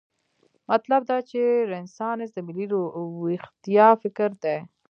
مطلب دا چې رنسانس د ملي ویښتیا فکر دی.